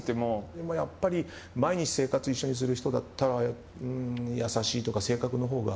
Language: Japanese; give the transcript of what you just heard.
でもやっぱり毎日一緒に生活する人だったら優しいとか性格のほうが。